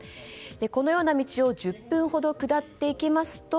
このような道を１０分ほど下っていきますと